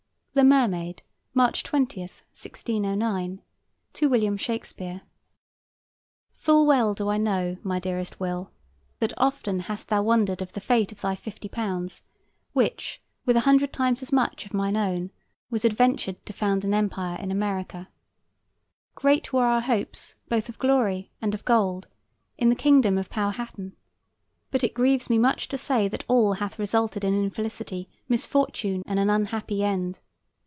The Mermaid, March 20, 1609. To WILLIAM SHAKESPEARE: Full well do I know, my dearest Will, that often hast thou wondered of the fate of thy £50, which, with a hundred times as much of mine own, was adventured to found an empire in America. Great were our hopes, both of glory and of gold, in the kingdom of Powhatan. But it grieves me much to say that all hath resulted in infelicity, misfortune, and an unhappy end.